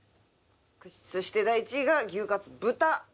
そして第１位が牛カツ豚で。